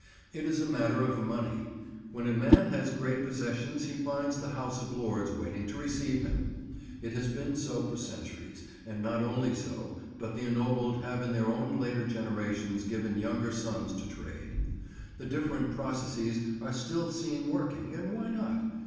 It is a matter of money. When a man has great possessions he finds the House of Lords waiting to receive him. It has been so for centuries, and not only so, but the ennobled have in their own later generations given younger sons to trade. The different processes are still seen working; and why not?